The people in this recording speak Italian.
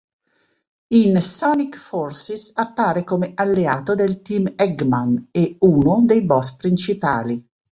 In "Sonic Forces" appare come alleato del Team Eggman e uno dei boss principali.